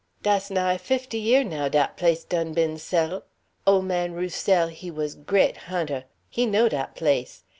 "Dass nigh fifty year', now, dat place done been settle'. Ole 'Mian Roussel he was gret hunter. He know dat place.